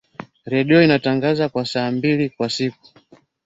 Redio inatangaza kwa saa mbili kwa siku